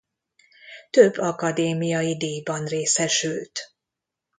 Több akadémiai díjban részesült.